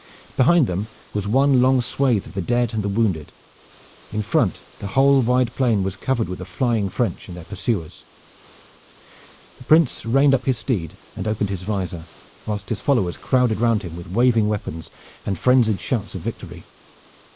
Behind them was one long swath of the dead and the wounded. In front the whole wide plain was covered with the flying French and their pursuers. The Prince reined up his steed and opened his visor, whilst his followers crowded round him with waving weapons and frenzied shouts of victory.